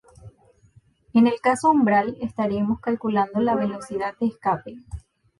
En el caso umbral estaremos calculando la velocidad de escape.